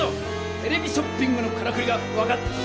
テレビショッピングのからくりが分かったぞ！